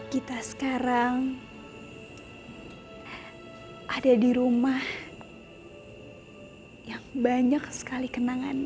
kita sekarang ada di rumah yang banyak sekali kenangan